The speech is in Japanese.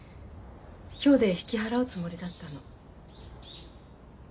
今日で引き払うつもりだったの。